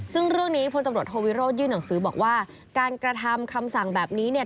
ซึ่งเรื่องนี้พลตำรวจโทวิโรธยื่นหนังสือบอกว่าการกระทำคำสั่งแบบนี้เนี่ย